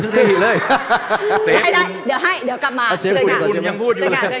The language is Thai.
ได้เดี๋ยวให้เดี๋ยวกลับมาเชิญค่ะเอ้าเสียหูยก่อนยังพูดอยู่